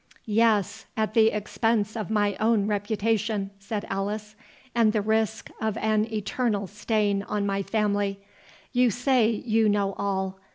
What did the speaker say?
"Yes, at the expense of my own reputation," said Alice, "and the risk of an eternal stain on my family. You say you know all.